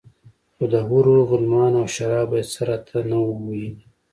خو د حورو غلمانو او شرابو يې څه راته نه وو ويلي.